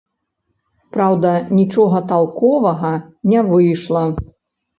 Праўда, нічога талковага не выйшла.